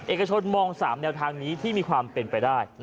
เอกชนมอง๓แนวทางนี้ที่มีความเป็นไปได้